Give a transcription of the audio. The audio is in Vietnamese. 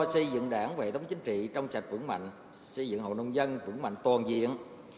xây dựng đảng vệ thống chính trị trong sạch vững mạnh xây dựng hậu nông dân vững mạnh toàn diện